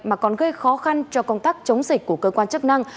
mà còn gây khó khăn cho công tác chống dịch của cơ quan chức năng